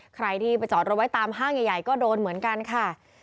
ใครที่ไปจอดรถไว้ตามห้างใหญ่ก็โดนเหมือนกันค่ะ